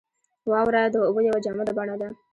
• واوره د اوبو یوه جامده بڼه ده.